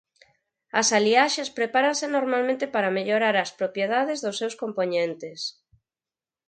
As aliaxes prepáranse normalmente para mellorar as propiedades dos seus compoñentes.